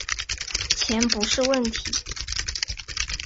钱不是问题